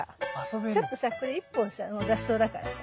ちょっとさこれ１本さ雑草だからさ。